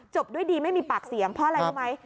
ด้วยดีไม่มีปากเสียงเพราะอะไรรู้ไหม